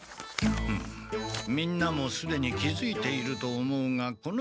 「みんなもすでに気づいていると思うがこのたび」。